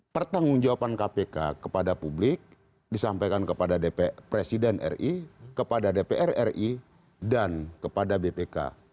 pertanggung jawaban kpk kepada publik disampaikan kepada presiden ri kepada dpr ri dan kepada bpk